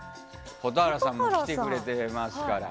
蛍原さんも来てくれてますから。